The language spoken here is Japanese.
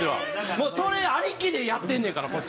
もうそれありきでやってんねんからこっちは。